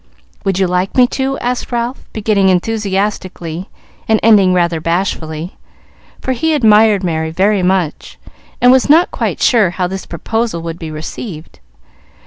Would you like me to?" asked Ralph, beginning enthusiastically and ending rather bashfully, for he admired Merry very much, and was not quite sure how this proposal would be received.